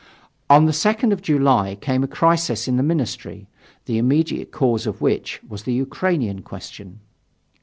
On the 2nd of July came a crisis in the ministry, the immediate cause of which was the Ukrainian question.